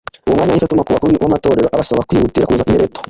Uwo mwanya yahise atuma ku bakuru b’amatorero abasaba kwihutira kuza i Mileto